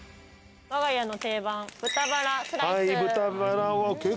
我が家の定番、豚バラスライス。